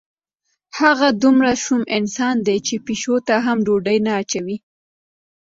هغه دومره شوم انسان دی چې پیشو ته هم ډوډۍ نه اچوي.